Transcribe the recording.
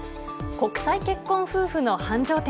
国際結婚夫婦の繁盛店。